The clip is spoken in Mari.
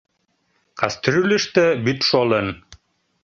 Кастрюльышто вӱд шолын.